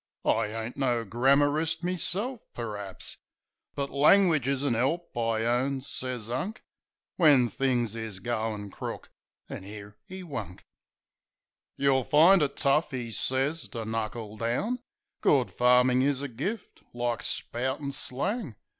I ain't no grammarist meself, per'aps, But langwidge is a 'elp, I owns," sez Unk, "When things is goin' crook." An' 'ere 'e wunk. "Yeh'll find it tough," 'e sez, "to knuckle down. Good farmin' is a gift — like spoutin' slang.